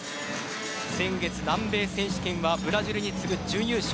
先月、南米選手権はブラジルに次ぐ準優勝。